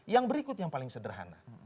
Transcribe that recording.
yang berikut yang paling sederhana